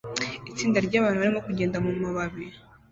Itsinda ryabantu barimo kugenda mumababi